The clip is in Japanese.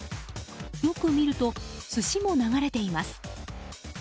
よく見ると、寿司も流れています。